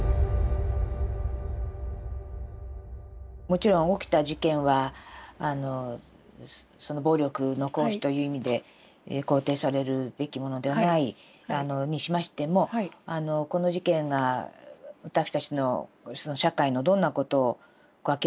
もちろん起きた事件は暴力の行使という意味で肯定されるべきものではないにしましてもこの事件が私たちの社会のどんなことを明らかにしたのかしないのか。